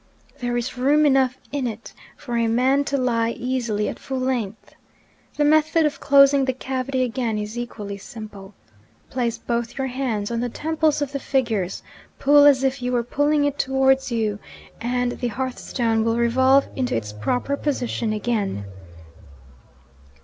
There is room enough in it for a man to lie easily at full length. The method of closing the cavity again is equally simple. Place both your hands on the temples of the figures; pull as if you were pulling it towards you and the hearthstone will revolve into its proper position again.